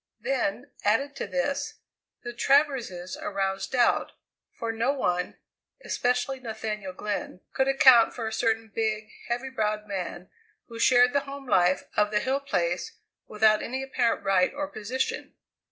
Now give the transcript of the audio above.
Then, added to this, the Traverses aroused doubt, for no one, especially Nathaniel Glenn, could account for a certain big, heavy browed man who shared the home life of the Hill Place without any apparent right or position.